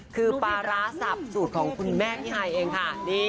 คือปลาร้าสับสูตรของคุณแม่พี่ฮายเองค่ะ